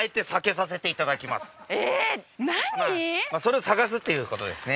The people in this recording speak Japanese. それを探すっていうことですね